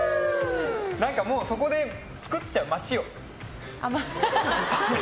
もう、そこで作っちゃう町を。